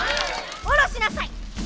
下ろしなさい！